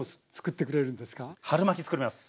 春巻作ります。